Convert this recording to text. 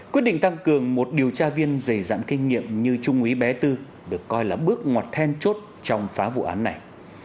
quyết định tăng cường một điều tra viên dày dặn kinh nghiệm như trung úy bé tư được coi là bước ngoặt then chốt trong phá vụ án này